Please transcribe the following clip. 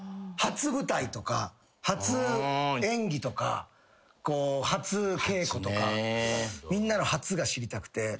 初舞台とか初演技とか初稽古とかみんなの初が知りたくて。